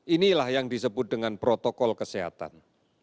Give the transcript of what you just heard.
inilah yang disebut dengan protokol kesehatan